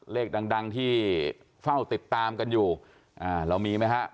เลขดังดังที่เฝ้าติดตามกันอยู่อ่าเรามีไหมฮะ